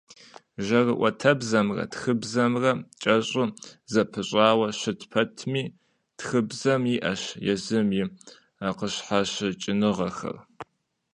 Жьэрыӏуэтэбзэмрэ тхыбзэмрэ кӏэщӏу зэпыщӏауэ щыт пэтми, тхыбзэм иӏэщ езым и къыщхьэщыкӏыныгъэхэр.